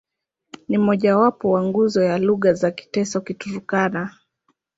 Ni mmojawapo wa nguzo ya lugha za Kiteso-Kiturkana.